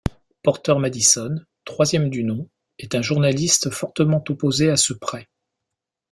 Porter Madison, troisième du nom, est un journaliste fortement opposé à ce prêt.